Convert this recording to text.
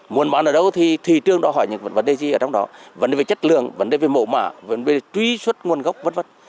muốn bán ở đâu thì thị trường đó hỏi những vấn đề gì ở trong đó vấn đề về chất lượng vấn đề về mổ mả vấn đề về truy xuất nguồn gốc v v